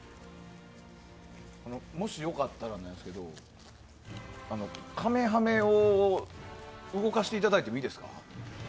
もしよかったらカメハメを動かしていただいてもいいですか。